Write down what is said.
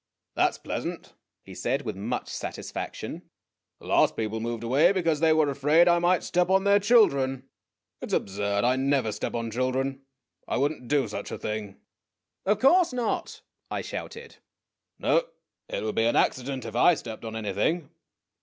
"That 's pleasant," he said with much satisfaction. "The last people moved away because they were afraid I might step on their children. It 's absurd ; I never step on children. I would n't do such a thing !" "Of course not!" I shouted. " No. It would be an accident if I stepped on anything.